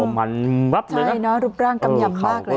ตัวมันวับเลยนะใช่เนอะรูปร่างกำหย่ำมากเลยอ่ะ